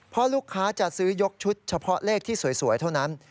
เพราะลูกค้าจะซื้อยกชุดเฉพาะเลขที่สวยเท่านั้น